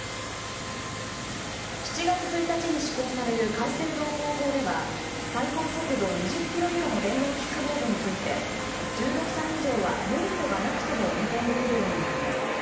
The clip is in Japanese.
７月１日に施行される改正道交法では最高速度２０キロ以下の電動キックボードについて１６歳以上は免許がなくても運転できるようになります。